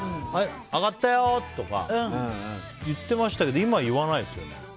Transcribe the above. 上がったよ！とか言ってましたけど今、言わないですよね。